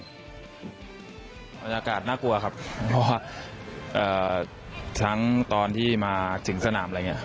บรรยากาศน่ากลัวครับเพราะว่าทั้งตอนที่มาถึงสนามอะไรอย่างนี้